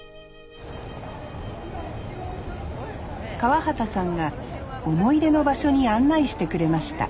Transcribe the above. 河鰭さんが思い出の場所に案内してくれました